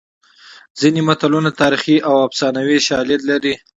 ځینې متلونه تاریخي او افسانوي شالید لري